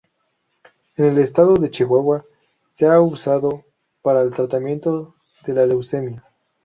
En el estado de Chihuahua se ha usado para el tratamiento de la leucemia.